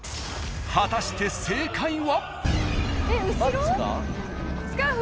［果たして正解は］